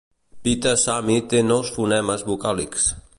Pite Sami té nou fonemes vocàlics.